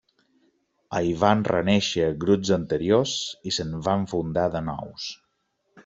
Hi van renéixer grups anteriors i se'n van fundar de nous.